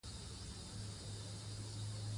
مورغاب سیند د افغان تاریخ په کتابونو کې ذکر شوی دي.